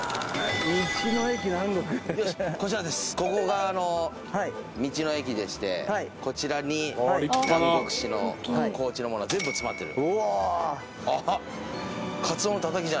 ここが道の駅でしてこちらに南国市の高知のものが全部詰まってる。